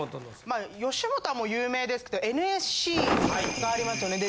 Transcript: まあ吉本はもう有名ですけどＮＳＣがありますよね。